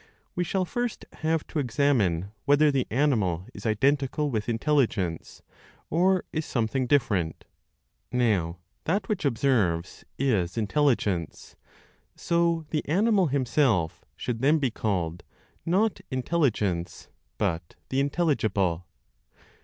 We shall first have to examine whether the animal is identical with intelligence, or is something different. Now that which observes is intelligence; so the Animal himself should then be called, not intelligence, but the intelligible.